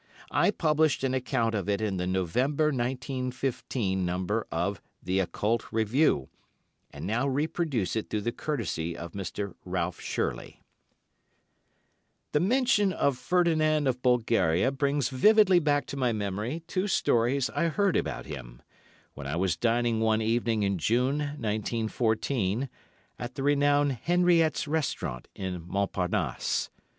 I published an account of it in the November, 1915, number of "The Occult Review," and now reproduce it through the courtesy of Mr. Ralph Shirley: "The mention of Ferdinand of Bulgaria brings vividly back to my memory two stories I heard about him, when I was dining one evening in June, 1914, at the renowned Henriette's Restaurant in Montparnasse.